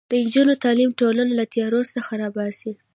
د نجونو تعلیم ټولنه له تیارو څخه راباسي.